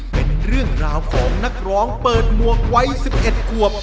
เป็นเรื่องราวของนักร้องเปิดหมวกวัย๑๑ขวบ